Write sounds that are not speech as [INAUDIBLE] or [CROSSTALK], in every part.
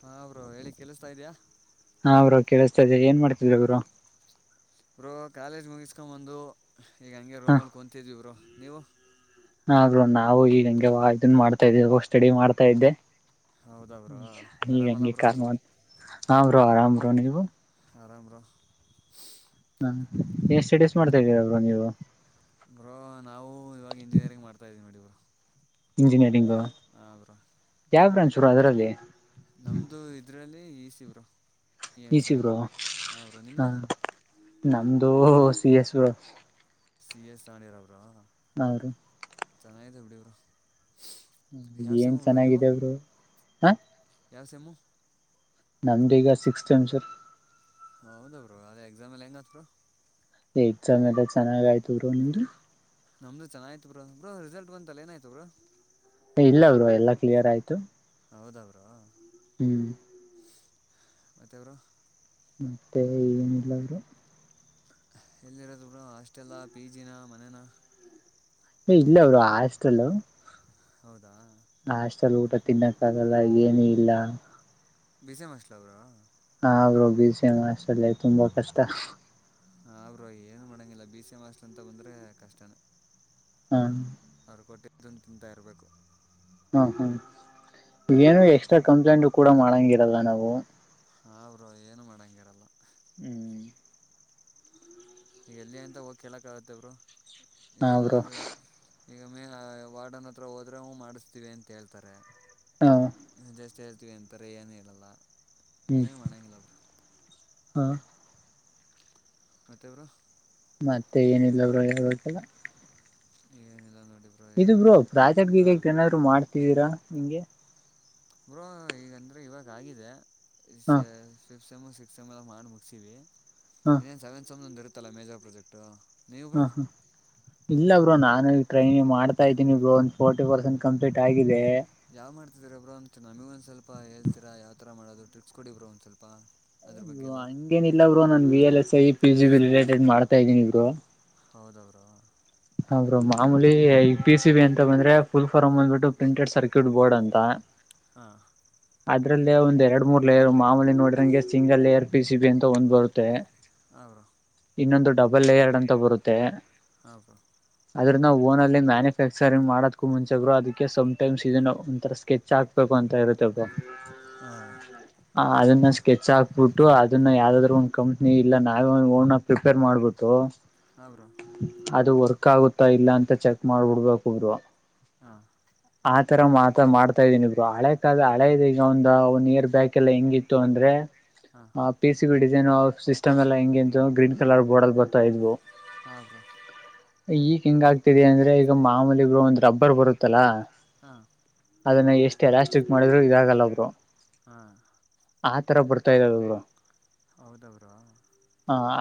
ಹಾ ಬ್ರೋ ಹೇಳಿ ಕೆಲ್ಸ್ತಾ ಇದಯ ಹಾ ಬ್ರೋ ಕೇಳಿಸ್ತಾ ಇದೆ ಏನ್ ಮಾಡ್ತಿದಿಯಾ ಬ್ರೋ ಬ್ರೋ ಕಾಲೇಜ್ ಮುಗಿಸ್ಕೊಂಡ ಬಂದು ಈಗ ಹಂಗೆ ಹ ರೋಮಲ್ಲಿ ಕುಂತಿದ್ವಿ ಬ್ರೋ ನೀವು ಹಾಗೂ ನಾವು ಈಗ ಹಂಗೆ ವಾಕಿಂಗ್ ಮಾಡ್ತಾ ಇದ್ದೀವಿ ಸ್ಟಡಿ ಮಾಡ್ತಾ ಇದ್ದೆ ಹೌದಾ ಬ್ರೋ ಆರಾಮಲ್ಲ ಹಗಗೆ ಬ್ರೋ ಕ ಹಾ ಬ್ರೋ ಆರಾಮ್ ಬ್ರೋ ನೀವು ಆರಾಮ ಬ್ರೋ ಹ್ಮ ಏನ್ ಸ್ಟಡೀಸ್ ಮಾಡ್ತಾ ಇದೀರ ಬ್ರೋ ನೀವು ಬ್ರೋ ನಾವು ಇವಾಗ ಇಂಜಿನಿಯರಿಂಗ್ ಮಾಡ್ತಾ ಇದೀವಿ ನೋಡಿ ಬ್ರೋ ಇಂಜಿನಿಯರಿಂಗೂ. ಹಾ ಬ್ರೋ ಬ್ರೋ ಎದರಲ್ಲಿ ನಮ್ದು ಇದ್ರಲ್ಲಿ ಈ C bro E N C EC bro ಹಾಂ ಬ್ರೋ ಹಾ ನಿಮ್ಮದು ನಮ್ದು C S bro C S ನೀವುರಾ ಅವರು ಚೆನ್ನಾಗಿದೆ ಬಿಡಿ ಬ್ರೋ ಯಾವ ಏನ್ ಸೆಮ್ಮು ಬ್ರೋ ನೀವು ಚೆನ್ನಾಗಿದೆ ಬ್ರೋ ಯಾವ ಸೇಮ್ ನಮ್ದು ಈಗ ಸಿಕ್ಸ್ ಸೇಮ್ ಹೌದಾ ಬ್ರೋ ಅದೇ ಎಕ್ಸಾಮ ಎಲ್ಲ ಹೆಂಗ್ ಆತ್ ಬ್ರೋ ಎಕ್ಸಾಮ್ ಎಲ್ಲ ಚೆನ್ನಾಗ್ ಆಯ್ತ ಬ್ರೋ ನಿಮ್ದು ನಮ್ದು ಚೆನ್ನಾಗ್ ಆಯ್ತು ಬ್ರೋ ರಿಸಲ್ಟ್ ಬಂತಲ್ಲ ಏನಾಯ್ತ ಬ್ರೋ ಇಲ್ಲ ಬ್ರೋ ಎಲ್ಲಾ ಕ್ಲಿಯರ್ ಆಯ್ತು ಹೌದಾ ಬ್ರೋ ಹ್ಮ್ ಮತ್ತೆ ಬ್ರೋ ಮತ್ತೆ ಏನಿಲ್ಲಾ ಬ್ರೋ ಎಲ್ಲಿರೋದು ಬ್ರೋ ಹಾಸ್ಟೆಲ್ಲಾ ಪಿ ಜಿ ನಾ ಮನೇನಾ ಏ ಇಲ್ಲ ಬ್ರೋ ಹಾಸ್ಟೆಲು ಹೌದಾ ಹಾಸ್ಟೆಲ್ ಊಟ ತಿನ್ನಕ್ಕ ಆಗಲ್ಲ ಏನ ಇಲ್ಲ ಬಿಸಿಎಂ ಹಾಸ್ಟೆಲ್ ಬ್ರೋ ಹಾ bro B C M hostel ತುಂಬಾ ಕಷ್ಟ ಹಾ ಬ್ರೋ ಏನುೂ ಮಾಡೋಂಗಿಲ್ಲ ಬಿ ಸಿ ಎಂ ಹಾಸ್ಟೆಲ್ ಅಂತ ಬಂದರೆೆ ಕಷ್ಟನೇ ಹ್ಮ ಕೊಟಾಂಗ್ಅಂತ ತಿಂತಾ ಇರ್ಬೇಕು ಹ್ಮ ಹ್ಮ್ ಏನು ಎಕ್ಸ್ಟ್ರಾ ಕಂಪ್ಲೇಂಟ್ ಕೂಡ ಮಾಡಂಗಿರಲ್ಲ ನಾವು ಹರು ಏನು ಮಾಡಂಗಿರಲ್ಲ ಹ್ಮ್ ಎಲ್ಲಿ ಎಂತ ಹೋಗ್ ಕೇಳಕ್ ಆಗತ್ತೆಬ್ರು ನ್ರೋ ಈಗ ಮೇ ವಾರ್ಡನ್ ಹತ್ರ ಹೋದ್ರೊ ಮಾಡಿಸ್ತೀವಿ ಅಂತ ಹೇಳ್ತಾರೆ ಹ ಜಸ್ಟ್ ಅಷ್ಟ ಹೇಳ್ತೀವಿ ಅಂತಾರೆ ಏನು ಹೇಳಲ್ಲ ಹ್ಮ್ ಏನು ಮಾಡೋಂಗಿಲ್ಲ ಅವರು ಹ ಮತ್ತೆವರು ಮತ್ತೆ ಏನಿಲ್ಲ ಬರು ಹಳ್ಬೇಕಲ್ಲ ಏನಿಲ್ಲ ನೋಡಿ ಇದು ಹೇಳ್ಬೇಕು ಬ್ರೋ ನೀವೇ ಪ್ರಾಜೆಕ್ಟ್ ಗೀಗ ಹಾಂ ಏನಾದ್ರು ಮಾಡ್ತಿದ್ದೀರಾ ನಿಂಗೆ ಬ್ರೋ ಈಗಂದ್ರೆ ಇವಾಗ ಆಗಿದೆ ಹ ಫ್ ಸೆಮ್ ಸಿಕ್ಸ್ತ್ ಎಮ ಎಲ್ಲ ಮಾಡಿ ಮುಗಗ್ಿಸೀವಿ ಹ ಇನ್ನೇನು ಸೆವೆಂತ್ ಎಮ್ನೊಂದು ಇರುತ್ತಲ್ಲ ಮೇಜರ್ ಪ್ರಾಜೆಟು ಹಾ ಹಾ ಇಲ್ಲ ಇ ನಾನು ಟ್ರೈನಿ ಮಾಡ್ತ ಇದೀನಿ ಬರು ಒಂದು ಫೋರ್ಿ ಪರ್ಸೆಂಟ್ ಕಂಪ್ಲೀಟ್ ಆಗಿದೆ ಯಾವ್ ಮಾಡ್ಿದ್ರ ಬ್ರೋ ಒ ನಮಗ ಒಂದ ಸ್ಲ್ಪ ಹೇಳ್ತೀರ ಯಾವ್ರ ಮಾಡೋದು ಟ್ರಿಪ್ಸ್ ಕೊಡಿ ಬ್ರೋ ಒಂದ ಸ್ವಲ್ಪ ಅದ್ರ ಬಗ್ಗೆ ರು ಎಲ್ಲ ಹಂಗೇನ ಇಿಲ್ಲ ಬರು ನನ್ B L S I P G B related ಮಾಡ್ತಾ ಇದ್ದೀನಿ ಇಬ್ರು ಹೌದ ಅವರು ಹೌ್ರ ಮಾಮೂಲಿ ಈ ಪಿ ಸಿ ಬಿ ಅಂತ ಬಂದ್ರೆ ಫುಲ್ ಫಾರ್ಮ್ ಅಂದಬಿಟ್ಟು ಪ್ರಿಂಟೆಡ್ ಸರ್ಕ್ಯೂಟ್ ಬೋರ್ಡ್ ಅಂತ ಹಾ ಅದ್ರಲ್ಲೇ ಒಂದ್ ಎರಡ್ ಮೂರ್ ಲೇಯರ್ ಮಾಮೂಲಿ ನೋಡ್ರಂಗೆ single layer P C B ಅಂತ ಒಂದ್ ಬರುತ್ತೆ ಹಾಂ ಬ್ರೋ ಇನ್ನೊಂದು ಡಬಲ್ ಲೇಯರ್ಡ್ ಅಂತ ಬರುತ್ತೆ ಹಾಂ ಬ್ರೋ ಅದ್ರ ನಾವು ಓನ ಅಲ್ಲಿ ಮ್ಯಾನುಫ್ಯಾಕ್ಚರಿಂಗ್ ಮಾಡದಕೂ ಮುಂಚೆ್ರು ಅದಕ್ಕೆ ಸಮ್ಟೈಮ್ಸ್ ಇದನ್ನು ಒಂಥರ ಸ್ಕೆಚ್ ಹಾಕ್ಬೇಕು ಬಂತ ಇರುತ್ತೆ ಹಾ ಆ ಅದನ್ನ ಸ್ಕೆಚ್ ಹಾಕ್ಬಿಟ್ಟು ಅದನ್ನ ಯಾವ್ದಾದ್ರು ಒಂದ್ ಕಂಪ್ನಿ ಇಲ್ಲ ನಾವೇ ಓ ಪ್ರಿಪೇರ್ ಮಾಡ್ಬಿಟ್ಟು ಹೌ್ರ ಅದು ವರ್ಕ್ ಆಗುತ್ತಾ ಇಲ್ಲ ಅಂತ ಚೆಕ್ ಮಾಡ್ಬಿಡ್ಬೇಕ ಹುದ್ರು ಹಾ ಆತರ ಮಾತ ಮಾಡ್ತಾ ಇದ್ದೀನಿ ಇಬ್ರು ಹಳೆ ಕಾದ ಹಳೆ ಇದೆ ಈಗ ಒಂದ ಒಂದ್ ಇಯರ್ ಬ್ಯಾಕ್ ಎಲ್ಲ ಹೆಂಗಿತ್ತು ಅಂದ್ರೆ ಹಾಂ ಆ P C B design system ಎಲ್ಲಾ ಹೆಂಗಗೆಂತ ಗ್ರೀನ್ ಕಲರ್ ಬೋರ್ ಅಲ್ ಬರ್ತಾ ಇದ್ವು ಹದು ಈಗ ಹಿಂಗ ಆಗ್ತಿದೆ ಅಂದ್ರೆ ಈಗ ಮಾಮೂಲಿಗ ಒಂದ್ ರಬ್ಬರ್ ಬರುತ್ತಲ್ಲಾ ಹಾ ಅದನ್ನ ಎಷ್ಟು ಎಲಾಸ್ಟಿಕ್ ಮಾಡಿದ್ರು ಇದಾಗಲ್ಲ ಒಬ್ರು ಹ್ಮ ಆ ತರ ಬರ್ತಾ ಇದಾವ ಅವರು ಹೌದವ್ರ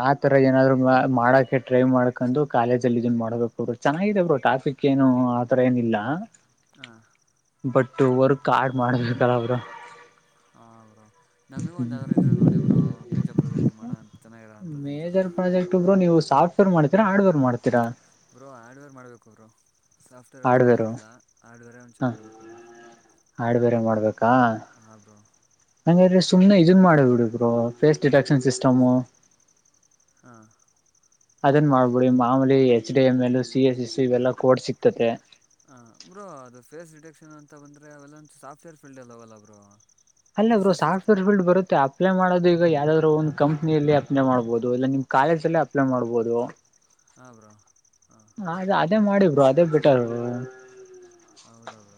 ಆ ತರ ಏನಾದ್ರು ಮಾಡಕೆ ಟ್ರೈ ಮಾಡ್ಕೊಂಡು ಕಾಲೇಜ ಇದನ್ ಮಾಡ್ಬೇಕುರು ಚೆನ್ನಾಗಿದೆ ಅವರು ಟಾಫಿಕ್ ಏನು ಆ ತರ ಏನಿಲ್ಲ ಹ ಬಟ್ ಹೊರ್ ಕಾರ್ಡ್ ಮಾಡಬೇಕತಲ್ಲ ಅವರು ಹ ಬ್ರೋ ನಮಗ ಒಂದಂದು ಯಾರರು ಇದ್ರೆ ನೋಡಿ ಬರುೋ ಮೇಜಾ ಪ್ರಾಜೆಕ್ಟ್ ಮಾಡೋ ಅಂತ ಚೆನ್ನಾಗಿರೋ ಅಂಥದ್ದು ಒಂಚೂರು ಮೇಜರ್ ಪ್ರಾಜೆಕ್ಟ್ ಒಬ್ರು ನೀವು ಸಾಫ್ಟ್ವೇರ್ ಮಾಡ್ತೀರಾ ಹಾರ್ಡ್ವೇರ್ ಮಾಡ್ತೀರಾ ಬರುೋ ಹಾರ್ಡ್ವೇರ್ ಮಾಡ್ಬೇಕು ಅವರು ಸಾಫ್ಟ್ವೇರ್ಲ್ಲ ಹಾರ್ಡ್ವೇರು ಮಾಡೋಂಗಿಲ್ಲ ಹಾರ್ಡ್ವೇರೇ ಒಂಚ ಮಾಡ್ಬೇಕು ಅವರು ಆಾಡು ಬೇರೆ ಮಾಡ್ಬೇಕಾ ಹಂಗ್ರೀ ಸುಮನೆ ಇದನ್ ಮಾಡ ಬಿಡುಬರು ಫೇಸ್ ಡಿಟಕ್ಷನ್ ಸಿಸ್ಟಮು ಹಾ ಅದನ್ ಮಾಡ್ಬಿಡಿ ಮಾಮೂಲಿ H D M L C S S ಇವೆಲ್ಲಾ ಕೋಡ್ಸ್ ಸಿಗ್ತತೆ ಹ ಬ್ರೋ ಅದು ಫೇಸ್ ರಿಟಕ್ಷನ್ ಅಂತ ಬಂದ್ರೆ ಅವೆಲ್ಲ ಸಾಫ್ಟ್ವೇರ್ ಫೀಲ್ಡ್ ಅಲ್ಲ ಅವಲ್ಲ ಬ್ರೋ ಅಲ್ಲ ಬ್ರೋ ಜಸ್ಟ್ ಸಿಸ್ಟ್ ಸಾಫ್ಟ್ವೇರ್ ಫೀಲ್ಡ್ ಬರುತ್ತೆ ಅಪ್ಲೈ ಮಾಡೋದು ಈಗ ಯಾವ್ದಾದ್ರು ಒಂದ್ ಕಂಪ್ನಿಯಲ್ಲಿ ಅಪ್ಲೈ ಮಾಡ್ಬಹುದು ಇಲ್ಲ ನಿಮ್ ಕಾಲೇಜ ಅಲ್ಲೇ ಅಪ್ಲೈ ಮಾಡ್ಬಹುದು ಹಾ ಬ್ರೋ ಹಾಂ ಅದ ಅದೇ ಮಾಡಿ ಭ್ರೂ ಅದೇ ಬಿಟರ್ ಹೌದೌದ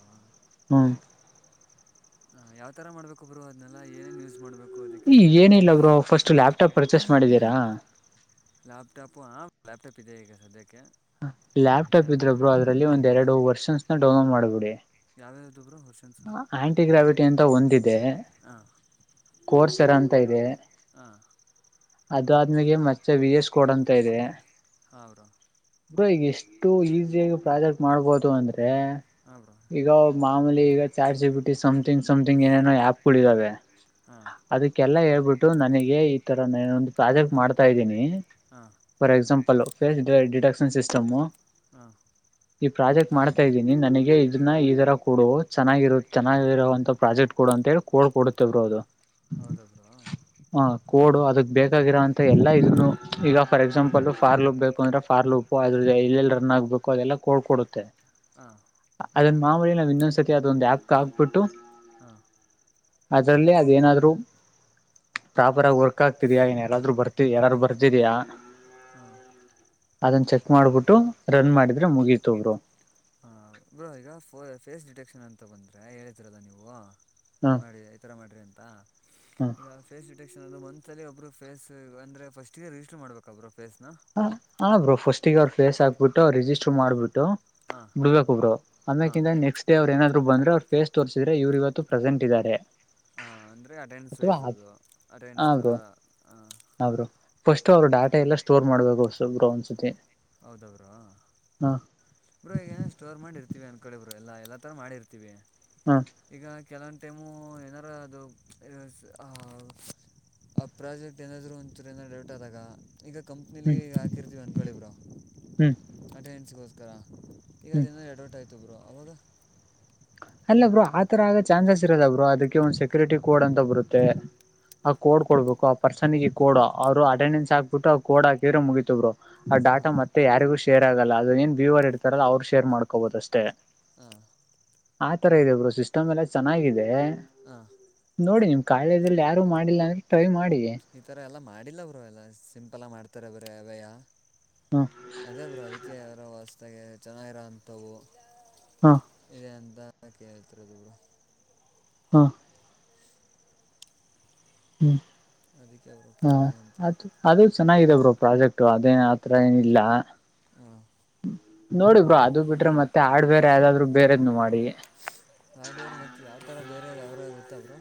ಹ ಯಾವ ತರ ಮಾಡ್ಬೇಕುೊಬ್ರು ಅದ್ನೆಲ್ಲ ಏನೇನ್ಯೂಸ್ ಮಾಡ್ಬೇಕು ಈ ಏನಿಲ್ಲ ಭ್ರೂ ಫಸ್ಟ್ ಲ್ಯಾಪ್ಟಾಪ್ ಪರ್ಚೇಸ್ ಮಾಡಿದೀರಾ ಲೈಪ ಪಿಜೆಗೆಗರ್ೇಕ ಲ್ಯಾಪ್ಟಾಪ್ ಇದ್ರ ಭ್ರೂ ಅದ್ರಲ್ಲಿ ಒಂದ್ ಎರಡು ವರ್ಷನ್ಸ್ನ ಡೌನ್ಲೋಡ್ ಮಾಡ್ಬಿಡಿ ಯಾವ್ದೇ ಆಂಟಿಗ್ರಾವಿಟಿ ಅಂತ ಒಂದಿದೆ ಹಾಂ ಕೋರ್ಸರ ಅಂತ ಇದೆ ಹಾ ಅದು ಆದ್ಮಗೆ ಮತ್ತೆ ವಿ ಎಸ್ ಕೊಡಂತ ಇದೆ ಹೌರ ಇ್ರ ಈಗ ಎಷ್ಟು ಈಸಿಯಾಗಿ ಪ್ರಾಜೆಕ್ಟ್ ಮಾಡ್ಬೋದು ಅಂದ್ರೆ ಹಾಂ ಬ್ರೋ ಈಗ ಮಾಮೂಲಿ ಈಗ ಚಾಟಪಿಟಿ ಸಮಥಿಂಗ್ ಸಮಥಿಂಗ್ ಏನೇನೋ ಆಪ್ಗಳುಗಳ ಇದಾವೆ ಹಾಂ ಅದಕ್ಕೆಲ್ಲ ಹೇಳ್ಬಿಟ್ಟು ನನಗೆ ಈ ತರ ನಾನೊಂದು ಪ್ರಾಜೆಕ್ಟ್ ಮಾಡ್ತಾ ಇದ್ದೀನಿ ಹಾಂ ಫಾರ್ ಎಕ್ಸಾಮಂಪಲ್ ಫೇಸ್ ಡಿಡಕ್ಷನ್ ಸಿಸಟ್ ಹ ಈ ಪ್ರಾಜೆಕ್ಟ್ ಮಾಡ್ತಾ ಇದ್ದೀನಿ ನನಗೆ ಇದನ್ನ ಈ ತರ ಕೊಡು ಚೆನ್ನಾಗಿರು ಚೆನ್ನಾಗಿರರುವಂತ ಪ್ರಾಜೆಕ್ಟ್ ಕೊಡ ಅಂತ ಹೇಳಿ ಕೋಡ್ ಕೊಡುತ್ತೇವ್ರೋ ಅದು ಹೌದಾದರು ಹ ಕೋಡು ಅದಕ್ ಬೇಕಾಗಿೋಂತ ಎಲ್ಲ ಇದನು ಈಗ ಫಾರ್ ಎಕ್ಸಾಂಪಲ್ ಫಾರ್ಲು ಉಪ್ ಬೇಕು ಅಂದ್ರೆ ಫಾರ್ಲ್ ಉಪ್ಪು ಅ್ರ ಎೆಲ್ಲಿ ರನ್ ಆಗ್ಬೇಕು ಅದೆಲ್ಲ ಕಡ್ಕ ಕೊಡುತ್ತೆ ಅದನ್ ಮಾಮೂಲಿ ನಾವವು ಇನ್ನೊಂದ್ಸತಿ ಅದೊಂದು ಆಪ್ ಹಾಕ್ಬಿಟ್ಟು. ಹಾ. ಅದ್ರಲ್ಲಿ ಅದೇನಾದ್ರು. ಪ್ರಾಪರ್ ಆಗಿ ವರ್ಕ್ ಆಗ್ತಿದಯಾ ಏನ್ ಯಾರಾದ್ರರು ಬರ್ತಿ ಯಾರಾದರು ಬರ್ತಿದಯಾ. ಹಾ. ಅದನ್ನ ಚೆಕ್ ಮಾಡ್ಬಿಟ್ಟು ರನ್ ಮಾಡಿದ್ರೆ ಮುಗೀತೋಗರು. ಹಾಂ ಬ್ರೋ ಈಗ ಫೋ ಫೇಸ್ ಡಿಟೆಕ್ಷನ್ ಅಂತ ಬಂದರೆ ಹೇಳತಿೀರಲ್ಲ ನೀವು. ಹ್ಮ ಮಾಡಿ ಈ ತರ ಮಾಡ್ರಿ ಅಂತ ಈಗ ಹ್ಮ ಫೇಸ್ ಡಿಟೆಕ್ಷನ್ ಅ. ಒಬ್ರು ಫೇಸ್ ಅಂದ್ರೆ ಫಸ್ಟ್ ರಿಸ್ಟರ್ ಮಾಡ್ಬೇಕಬ್ರು ಹ ಹಾ ಬ್ರೋ ಫಸ್ಟಿಗೆ ಅವ್ರ ಫೇಸ್ ಆಗ್ಬಿಟ್ಟು. ರು ರಿಜಿಸ್ಟರ್ ಹಾಂ ಮಾಡ್ಬಿಟ್ಟು ಹಾಂ ಬಿಡ್ಬೇಕುಬ್ರು ಹಾಂ ಅದಕ್ಕಿಂತ ನೆಕ್ಸ್ಟಡೇವ್ರು ಏನಾದ್ರು. ಅವ ಬಂದ್ರ ಅವ್ರ ಫೇಸ್ ತೋರಿಸಿದ್ರೆ ಇವರು ಇವತ್ತು ಪ್ರೆಸೆಂಟ್ ಇದಾರೆ. ಹಾ ಅಂದರೆ ಅಟೆಂಡೆನ್ಸ್ ವೈಸ್ ಅದು ಹಾ ಅಟೆಂಡೆನ್ಸ್ ಥರ ಬ್ರೋ ಹ. ಹ ಬ್ರೋ ಫಸ್ಟ್ ಅವರು ಡಾಟಾ ಎಲ್ಲ ಸ್ಟೋರ್ ಮಾಡ್ಬೇಕು ಸಬ್ರು ಒಂದ್ಸತಿ. ಹೌದ್ರಾ ಹ ಬ್ರೋ ಈಗನ ಸ್ಟೋರ್ ಮಾಡಿರ್ತೀವಿ ಅನ್ಕಳ. ಎಲ್ಲಾ ಎಲ್ಲಾ ತರ ಮಾಡಿರ್ತಿವಿ. ಹಾ. ಕೆಲವೊಂದು ಟೈಮು ಏನಾರ ಅದು. ಆ ಪ್ರಾಜೆಕ್ಟ್ ಏನಾದ್ರು ಒಂರ ಏನ ಡೌಟ್ ಆದಾಗ ಈಗ ಹ್ಮ್ ಕಂಪ್ನಿಲಿಗ ಹಾಕಿರ್ತಿೀವಿ ಅನ್ಕೊಳ್ಳಿ ಬ್ರರು. ಹ್ಮ್. ಟ್ರೈನ್ಸ್ಗೋಸ್ಕರ ಈಗ ಹ್ಮ್ ಏನ ಎರಡವರ್ಟ್ ಆಯ್ತು ಬರು ಆವಾಗ. ಅಲ್ಲ ಬ್ರೋ ಆ ತರ ಆಗ ಚಾನ್ಸಸ್ ಇರದ ಬ್ರರು ಅದಕ್ಕೆ ಒಂದ್ ಸೆಕ್ಯೂರಿಟಿ ಕೋಡ್ ಅಂತ ಬರುತ್ತೆ. ಆ ಕೋಡ್ ಕೊಡ್ಬೇಕು ಆ ಪರ್ಸನ್ಗೆ ಕೋಡ್ ಅವರು ಅಟೆಂಡೆನ್ಸ್ ಹಾಕ್ಬಿಟ್ಟು ಆ ಕೋಡ್ ಹಾಕಿರೆ ಮುಗಿತವ್ರು. ಡಾಟಾ ಹಾಂ ಮತ್ತೆ ಯಾರಿಗೂ ಶೇರ್ ಆಗಲ್ಲ ಅದು ಏನ್ ವ್ಯೂವರ್ ಇರ್ತಾರಲ್ಲ ಅವ್ರು ಶೇರ್ ಮಾಡ್ಕೋಬಹುದು ಅಷ್ಟೇ. ಹಾಂ ಆತರ ಇದೆ ಭ್ರೂ ಸಿಸ್ಟಮ್ ಎಲ್ಲ ಚೆನ್ನಾಗಿದೆ. ಹಾಂ ನೋಡಿ ನಿಮ್ ಕಾರ್ಯದಲ್ ಯಾರು ಮಾಡಿಲ್ಲ ಅಂದ್ರೆ ಟ್ರೈ ಮಾಡಿ. ಈ ಥರ ಎಲ್ಲ ಮಾಡಿಲ್ಲ ಬ್ರೋ ಅದ ಎಲ್ಲ ಸಿಂಪಲ ಮಾಡ್ತಾರೆ ಅದ್ರ [UNINTELLIGIBLE] ಹ ಅದೇ ಬ್ರೋ ಅದಿಕ್ಕೆ ಅವರ ವಸ್ತಾಗೆ ಚೆನ್ನಾಗಿರೋಂಥವು. ಹ ಇದೆ ಎಂತ ಕೇಳ್ತರೆ [UNINTELLIGIBLE] ಹ ಹ್ಮ್ ಅದಕ್ಕೆ ಬ್ರೋ ಹ ಕೇಳಣ ಅಂತ. ಅದು ಅದು ಚೆನ್ನಾಗಿದೆ ಬ್ರೋ ಪ್ರಾಜೆಕ್ಟ್ ಅದೇನ್ ಆತರ ಏನಿಲ್ಲ. ಹ್ಮ್ ನೋಡಿ ಬ್ರೋ ಅದು ಬಿಟ್ರೆ ಮತ್ತೆ ಹಾರ್ಡ್ ವೇರ್ ಯಾವ್ದಾದ್ರು ಬೇರೆದ್ನು ಮಾಡಿ. ಹಾರ್ಡ್ವೇರ್ ಮತ್ತು ಯಾವ ಥರ ಬೇರೆ ಯಾವರ ಗೊತ್ತ ಬ್ರೋ.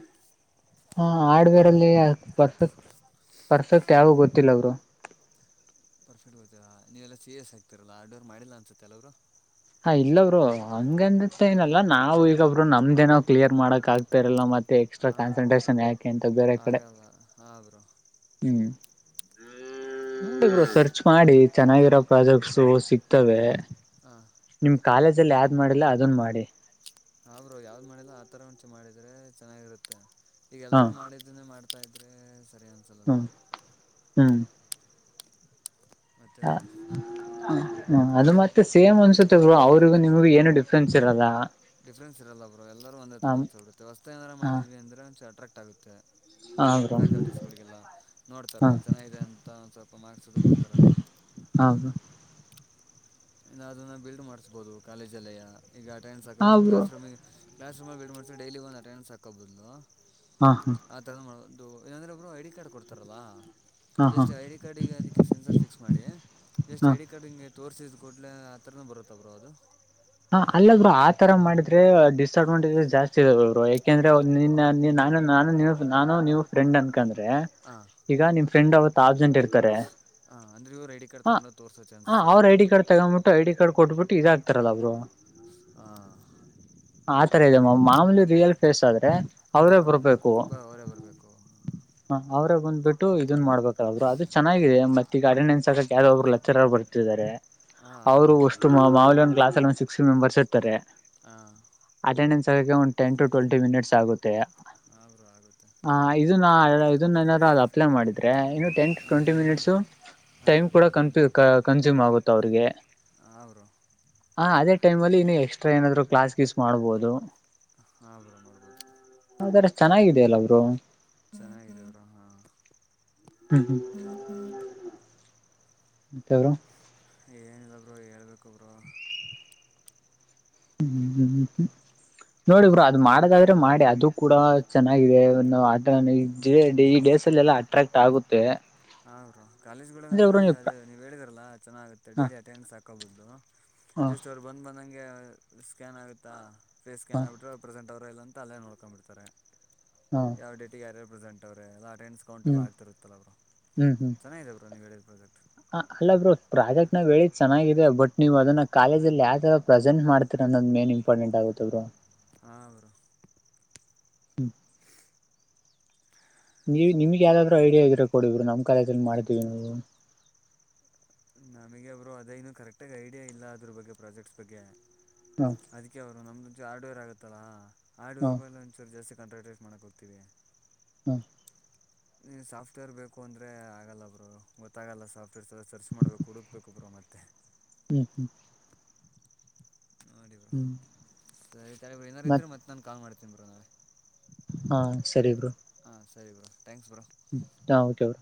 ಹಾರ್ಡ್ವೆರಲ್ಲಿ ಪರ್ಫೆಕ್ಟ್ ಪರ್ಫೆಕ್ಟ್ ಯಾವ್ದ್ ಗೊತ್ತಿಲ್ಲ ಬ್ರೋ. ಪರ್ಫೆಕ್ಟ್ ಗೊತ್ತಿಲ್ಲ ನೀವೆಲ್ಲ ಸೀ ಎಸ್ ಆಗ್ತಿರಲ್ಲ ಆ ಡೋರ್ ಮಾಡಿಲ್ಲ ಅನ್ಸುತ್ತೆ ಅಲ್ಲ ಬ್ರೋ ಹಾ ಇಲ್ಲ ಬ್ರೋ ಹಂಗಂದತ್ತ ಏನಲ್ಲಾ ನಾವಿಗ ಬ್ರೊ ನಮ್ದೇನೋ ಕ್ಲಿಯರ್ ಮಾಡಕ್ ಆಗ್ತರಲ್ಲ ಮ ಎಕ್ಸ್ಟ್ರಾ ಹಾಂ ಕಾನ್ಸಂಟ್ರೇಷನ್ ಯಾಕೆ ಅಂತ ಬೇರೆ ಕಡೆ ಆಗಲ್ಲ ಹಾಂ ಬ್ರೋ ಹ್ಮ್. ಬ್ರೋ ಸರ್ಚ್ ಮಾಡಿ ಚೆನ್ನಾಗಿರೋ ಪ್ರಾಜೆಕ್ಟ್ಸು ಸಿಗ್ತವೆ. ಹಾಂ ನಿಮ್ ಕಾಲೇಜಲ್ಲಿ ಯಾವ್ದ್ ಮಾಡಿಲ್ಲ ಅದುನ್ ಮಾಡಿ. ಹ ಬ್ರೋ ಯಾವ್ದ್ ಮಾಡಿಲ್ಲ ಆತರ ಉಂಚ ಮಾಡಿದ್ರೆ ಚೆನ್ನಾಗಿರುತ್ತೆ ಈಗ ಹಾ ಎಲ್ಲಾರೂ ಮಾಡಿದ್ದುನ್ನೇ ಮಾಡ್ ತ ಇದ್ರೆಸ್ ಹ್ಮ ಹ್ಮ್ ಮತ್ತೆ ಯಾ ಬ್ರೋ ಆ ಹ್ಮ ಅದು ಮತ್ತೆ ಸೇಮ್ ಅನ್ಸುತ್ತೆ ಬ್ರೋ ಅವ್ರಿಗು ನಿಮಗು ಏನು ಡಿಫ್ರೆನ್ಸ್ ಇರಲ್ಲ. ಡಿಫ್ರೆನ್ಸ್ ಇರಲ್ಲ ಬ್ರೋ ಎಲ್ಲರೂ ಒಂದೇ ಹ ಥರ ಅನ್ಸ್ ಬಿಡುತ್ತೆ ಹೊಸ್ತ್ ಏನಾರ ಹಾ ಮಾಡಿದ್ವಿ ಅಂದ್ರೆ ಒಂಚುರ್ ಅಟ್ರ್ಯಾಕ್ಟ್ ಆಗುತ್ತೆ. ಹಾ ಬ್ರೋ ಫ್ಯಾಕಲ್ಟೀಸ್ಗಳಿಗೆಲ್ಲ ನೋಡ್ತಾರೆ ಹಾ ಚೆನ್ನಾಗಿದೆ ಅಂತ ಒಂದು ಸ್ವಲ್ಪ ಮಾರ್ಕ್ಸದು ಕೊಡ್ತಾರೆ ಅವ್ರು. ಹ ಬ್ರೋ ಇನ್ನು ಅದನ್ನು ಬಿಲ್ಡ್ ಮಾಡ್ಸ್ಬೋದು ಕಾಲೇಜಲ್ಲೇಯ ಈಗ ಅಟೆಂಡೆನ್ಸ್ ಹಾ ಹಾಕೋದ್ ಬ್ರೋ ಕ್ಲಾಸ್ ರೂಮಿಗೆ ಕ್ಲಾಸ್ ರೂಮಲ್ಲಿ ಬಿಟ್ಟ ಮನುಷ್ಯನಿಗೆ ಡೈಲಿ ಒಂದು ಅಟೆಂಡೆನ್ಸ್ ಹಾಕೋಬದ್ಲು ಹಾ ಹಾ ಆ ಥರ ಮಾಡ್ಬೋದ್. ಅದು ಏನಂದ್ರೆ ಬ್ರೊ ಐ ಡಿ ಕಾರ್ಡ್ ಕೊಡ್ತಾರಲ್ಲಾ ಹಾ ಹಾ ಜಸ್ಟ್ ಐಡಿ ಕಾರ್ಡ್ ಈಗ ಅದಕ್ಕೆ ಸೆನ್ಸರ್ ಫಿಕ್ಸ್ ಮಾಡಿ ಜಸ್ಟ್ ಹಾ ಐ ಡಿ ಕಾರ್ಡ್ ಹಿಂಗೆ ತೋರ್ಸಿದ್ ಕೂಡ್ಲೆ ಆಥರನು ಬರುತ್ತ ಬ್ರೋ ಅದು. ಹಾ ಅಲ್ಲ ಬ್ರೋ ಆತರ ಮಾಡಿದ್ರೆ ಡಿಸ್ಅಡ್ವಾಂಟೇಜಸ್ ಜಾಸ್ತಿ ಇದೆ ಬ್ರೋ ಯಾಕೆಂದ್ರೆ ಅವ್ರ್ ನಿನ್ನ ನಿನ್ನ ನಾನ್ ನಾನು ನಿನು ನಾನು ನೀವು ಫ್ರೆಂಡ್ ಅನ್ಕಂದ್ರೆ ಹಾಂ ಈಗ ನಿಮ್ ಫ್ರೆಂಡ್ ಅವತ್ತು ಆಬ್ಸೆಂಟ್ ಇರ್ತಾರೆ. ಹಾಂ ಅಂದರೆ ಇವ್ರು ಐ ಡಿ ಕಾರ್ಡ್ ಹಾ ತಗೊಂಡು ತೋರಿಸೋ ಹ ಚಾನ್ಸಸ್ ಅವ್ರ ಇರುತ್ತೆ ಐ ಡಿ ಕಾರ್ಡ್ ತಗೊಂಡ್ಬಿಟ್ಟು ಐ ಡಿ ಕಾರ್ಡ್ ಕೊಟ್ಬಿಟ್ಟು ಇದಾಗ್ ತರಲ್ಲ ಬ್ರೋ. ಹಾ ಆತರ ಇದೆಮ ಮಾಮೂಲಿ ರಿಯಲ್ ಫೇಸ್ ಆದ್ರೆ ಅವರೇ ಹಾಂ ಬರ್ಬೇಕು ಬ ಅವರೇ ಬರಬೇಕು. ಬಿಟ್ಟು ಇದನ್ ಮಾಡ್ಬೇಕ್ ಆದ್ರು ಅದು ಚೆನ್ನಾಗಿದೆ ಮತ್ ಈಗ ಅಟೆಂಡೆನ್ಸ್ ಹಾಕಕ್ ಯಾರೊ ಒಬ್ರು ಲೆಚರರ್ ಬರ್ತಿದ್ದಾರೆ. ಹಾಂ ಅವ್ರು ಅದೇ ಬ್ರೋ ಅಷ್ಟು ಮಾ ಮಾಮೂಲಿ ಒಂದು ಕ್ಲಾಸಲ್ ಒಂದ್ ಸಿಕ್ಸ್ಟಿ ಮೆಂಬರ್ಸ್ ಇರ್ತಾರೆ. ಹಾ ಕರಿಯಕ್ಕೆ ಒಂದ್ ಟೆನ್ ಟು ಟ್ವೆಂಟಿ ಮಿನಿಟ್ಸ್ ಆಗುತ್ತೆ ಹಾಂ ಬ್ರೋ ಆಗುತ್ತೆ ಆ ಇದುನಾ ಇದನ್ನೆನಾದ್ರು ಅದ್ ಅಪ್ಲೈ ಮಾಡಿದ್ರೆ ಇನ್ನು ಟೆನ್ ಟು ಟ್ವೆಂಟಿ ಮಿನಿಟ್ ಹಾಂ ಟೈಮ್ ಕೂಡ ಕನ್ಫ್ಯೂ ಕನ್ಸ್ಯೂಮ್ ಆಗುತ್ ಅವ್ರಿಗೆ ಹಾಂ ಬ್ರೋ ಹ ಅದೇ ಟೈಮ್ ಅಲ್ಲಿ ಇನ್ನು ಎಕ್ಸ್ಟ್ರಾ ಏನಾದ್ರು ಕ್ಲಾಸ್ ಗೀಸ್ ಮಾಡ್ಬೋದು. ಹಾಂ ಬ್ರೋ ಮಾಡ್ಬೋದು ಆದರೆ ಅಷ್ ಚೆನ್ನಾಗಿದೆಯಲ್ಲ ಬ್ರೊ ಹ್ಮ್ ಹ್ಮ್ ಮತ್ತೆಗ್ರ ಏನಿಲ್ಲ ಬ್ರೋ ಹೇಳ್ಬೇಕು ಬ್ರೋ ಊ ಹ್ಮ್ ನೋಡಿ ಬ್ರೊ ಅದು ಮಾಡದಾದ್ರೆ ಮಾಡಿ ಅದು ಕೂಡ ಚೆನ್ನಾಗಿದೆ ಏನ್ ಅದನ್ ಜಿ ಐ ಡಿ ಗೆ ಸಲೆಲ್ಲ ಅಟ್ರಾಕ್ಟ್ ಆಗುತ್ತೆ. ಹಾ ಬ್ರೋ ಅಂದ್ರೆ ಕಾಲೇಜ್ಗಳಗೆಂದರೆ ಬ್ರೋ ಅದು ನೀವು ಹೇಳಿದರಲ್ಲ ಚೆನ್ನಾಗುತ್ತೆ ಹಾ ಡೈಲಿ ಅಟೆಂಡೆನ್ಸ್ ಹಾಕೋಬದ್ಲು. ಹಾ ಜಸ್ಟ್ ಅವರು ಬಂದಂಗೆ. [UNINTELLIGIBLE] ಹಗೆ ಸ್ಕ್ಯಾನ್ ಆಗುತ್ತಾ ಫೇಸ್ ಸ್ಕ್ಯಾನ್ ಹಾ ಆಗ್ಬಿಟ್ರೆ ಪ್ರೆಸೆಂಟ್ ಅವರು ಇಲ್ಲ ಅಂತ ಅಲ್ಲೇ ನೋಡ್ಕೊಂಡ್ಬಿಡ್ತಾರೆ. ಹಾ ಯಾವ ಡೇಟಿಗೆ ಯಾರಾರು ಪ್ರೆಸೆಂಟ್ ಅವ್ರೆ ಎಲ್ಲ ಅಟೆಂಡನ್ಸ್ ಕೌಂಟೆಲ್ಲ ಹ್ಮ್ ಆಗ್ತಾ ಇರುತ್ತಲ್ಲ ಬ್ರೋ. ಹ್ಮ್ ಹ್ಮ್ ಚೆನ್ನಾಗಿದೆ ಬ್ರೋ ನೀವು ಹೇಳಿದ ಪ್ರಾಜೆಕ್ಟ್ ಹ ಅಲ್ಲ ಬ್ರೋ ಪ್ರಾಜೆಕ್ಟ್ ನಾವ್ ಹೇಳಿದ ಚೆನ್ನಾಗೇ ಬಟ್ ನೀವು ಅದನ್ನ ಕಾಲೇಜಲ್ಲಿ ಯಾವ ತರ ಪ್ರೆಸೆಂಟ್ ಮಾಡ್ತೀರ. [UNINTELLIGIBLE] ಮೇನ್ ಇಂಪಾರ್ಟೆಂಟ್ ಆಗುತ್ತ ಬ್ರೋ. ಹಾ ಬ್ರೋ. ಹ್ಮ ನೀವ ನಿಮ್ಗೆ ಯಾವ್ದಾದ್ರು ಐಡಿಯಾ ಇದ್ರೆ ಕೊಡಿ ಬ್ರೋ ನಮ್ ಕಾಲೇಜುಲ್ಲಿ ಮಾಡ್ತೀವಿ ನಾವು. ನಮಗೆ ಬ್ರೋ ಅದೇನು ಕರೆಕ್ಟಾಗಿ ಐಡಿಯಾ ಇಲ್ಲ ಅದ್ರ ಬಗ್ಗೆ ಪ್ರಾಜೆಕ್ಟ್ಸ ಬಗ್ಗೆ ಹಾ ಅದಕ್ಕೆ ಅವರು ನಮ್ಮದು ನಮ್ದು ಹಾರ್ಡ್ವೇರ್ ಆಗುತ್ತಲ್ಲಾ ಹಾ ಹಾರ್ಡ್ವೇರ್ ಮೇಲೆ ಒಂಚರು ಜಾಸ್ತಿ ಕಾಂಟ್ರಾಟ್ರೆಟ್ ಮಾಡಕ್ ಹೋಗ್ತೀವಿ. ಹ್ಮ ನನಗೆ ಸಾಫ್ಟ್ವೇರ್ ಬೇಕು ಅಂದ್ರೆ ಆಗಲ್ಲ ಬ್ರೋ ಗೊತ್ತಾಗಲ್ಲ ಸಾಫ್ಟ್ವೇರ್ ಸಲ ಸರ್ಚ್ ಮಾಡ್ಬೇಕು. ಹುಡುಕಬೇಕು ಬ್ರೋ ಮತ್ತೆ. ಹ್ಮ್ ಹ್ಮ್ ನೋಡಿ ಬ್ರೋ ಹ್ಮ್ ಸರಿ ಬ್ರೋ ಏನಾದ್ರ ಇದ್ರೆ ಮತ್ ಮತ್ತೆ ನಾನು ಕಾಲ್ ಮಾಡ್ತೀನಿ ಬ್ರೋ ನಾಳೆ. ಹಾ ಸರಿ ಬ್ರೋ. ಹ ಸರಿ ಬ್ರೋ ಥ್ಯಾಂಕ್ಸ್ ಬ್ರೋ. ಹಾ ಓಕೆ ಬ್ರೋ.